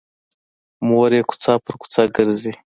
مور یې کوڅه په کوڅه ګرځي